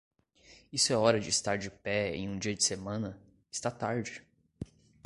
Isso é hora de estar de pé em um dia de semana? Está tarde!